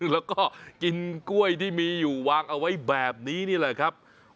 แล้วก็กินกล้วยที่มีอยู่วางเอาไว้แบบนี้นี่แหละครับ